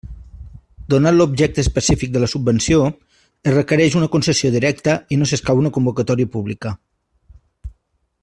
Donat l'objecte específic de la subvenció, es requereix una concessió directa i no escau una convocatòria pública.